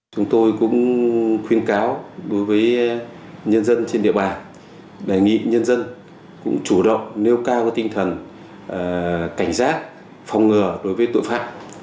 chúng tôi cũng khuyến cáo đối với nhân dân trên địa bàn đề nghị nhân dân cũng chủ động nêu cao tinh thần cảnh giác phòng ngừa đối với tội phạm